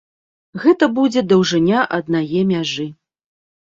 Гэта будзе даўжыня аднае мяжы.